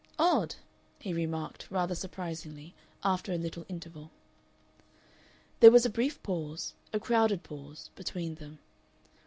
"Odd!" he remarked, rather surprisingly, after a little interval. There was a brief pause, a crowded pause, between them.